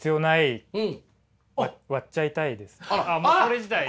もうこれ自体ね。